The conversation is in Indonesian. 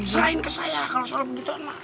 serahin ke saya kalau soal begitu mak